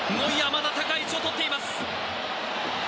まだ高い位置を取っています。